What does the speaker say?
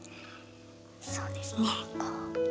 そうですねこう。